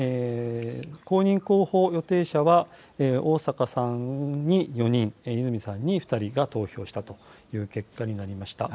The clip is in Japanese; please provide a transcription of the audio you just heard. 公認候補予定者は、逢坂さんに４人、泉さんに２人が投票したという結果になりました。